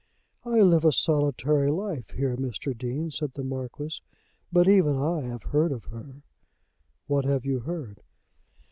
"I live a solitary life here, Mr. Dean," said the Marquis, "but even I have heard of her." "What have you heard?"